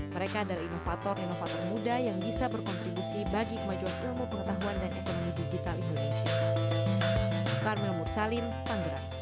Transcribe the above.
mereka adalah inovator inovator muda yang bisa berkontribusi bagi kemajuan ilmu pengetahuan dan ekonomi digital indonesia